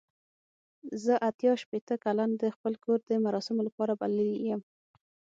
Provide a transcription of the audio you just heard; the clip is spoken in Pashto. زه اته شپېته کسان د خپل کور د مراسمو لپاره بللي یم.